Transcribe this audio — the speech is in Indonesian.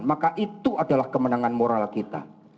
maka itu adalah kemenangan moral kita